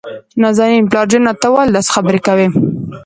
نازنين: پلار جانه ته ولې داسې خبرې کوي؟